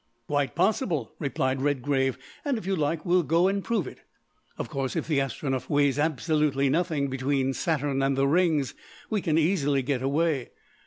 "Quite possible," replied Redgrave, "and, if you like, we'll go and prove it. Of course, if the Astronef weighs absolutely nothing between Saturn and the rings, we can easily get away.